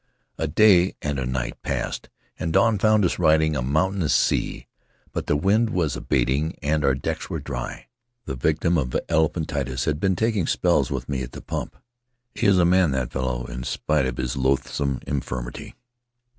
"A day and a night passed, and dawn found us riding a mountainous sea, but the wind was abating and our decks were dry. The victim of elephantiasis had been taking spells with me at the pump. He is a man, that fellow, in spite of his loathsome infirmity.